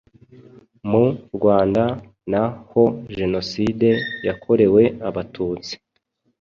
Mu Rwanda na ho jenoside yakorewe Abatutsi